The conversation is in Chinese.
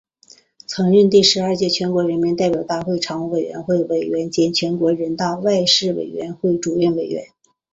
曾任第十二届全国人民代表大会常务委员会委员兼全国人大外事委员会主任委员。